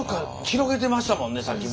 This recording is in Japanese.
広げてましたもんねさっき。